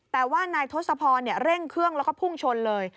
แต่ว่านายทศพรเร่งเครื่องแล้วก็พุ่งชนเลย